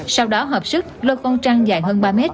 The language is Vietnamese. sau đó hợp sức lôi con trăng dài hơn ba mét